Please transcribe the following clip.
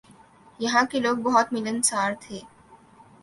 یہاں کے لوگ بہت ملنسار تھے ۔